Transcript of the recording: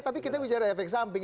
tapi kita bicara efek samping